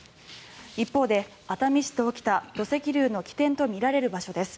一方で熱海市で起きた土石流の起点とみられる場所です。